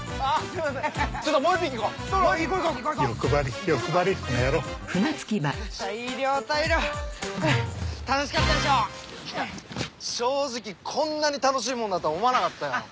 いや正直こんなに楽しいもんだとは思わなかったよ。